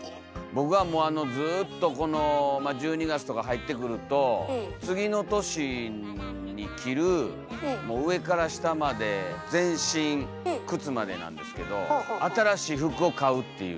僕はもうずっとこの１２月とか入ってくると次の年に着る上から下まで全身靴までなんですけど新しい服を買うっていう。